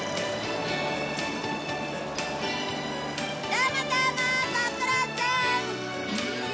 どうもどうもご苦労さん。